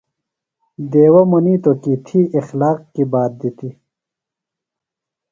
دیوہ منیتو کی تھی اخلاق کیۡ بات دِتیۡ۔